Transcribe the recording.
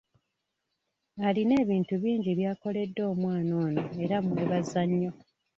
Alina ebintu bingi by'akoledde omwana ono era mmwebaza nnyo.